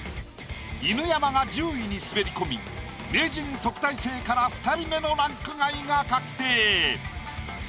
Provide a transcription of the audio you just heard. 犬山が１０位に滑り込み名人・特待生から２人目のランク外が確定。